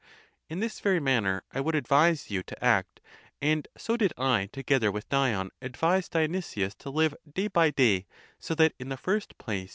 In this very manner I would advise you (to act); and so did I together with Dion advise Dionysius 'to live day by day, so that in the first place!